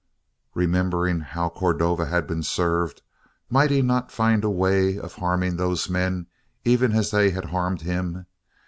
Remembering how Cordova had been served, might he not find a way of harming those men even as they had harmed him?